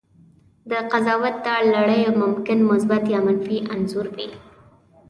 د قضاوت دا لړۍ ممکن مثبت یا منفي انځور وي.